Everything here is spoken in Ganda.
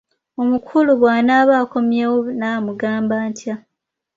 Omukulu bw'anaaba akomyewo naamugamba ntya?